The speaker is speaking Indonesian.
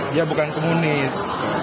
dia bukan komunis